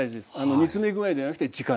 煮詰め具合じゃなくて時間です。